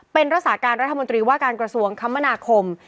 เป็นรักษาการรัฐมนตรีว่าการกระทรวงคมนาคม